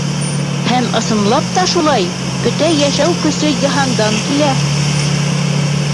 Һәм, ысынлап та, шулай: бөтә йәшәү көсө йыһандан килә.